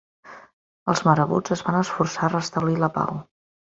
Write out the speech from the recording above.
Els marabuts es van esforçar a restablir la pau.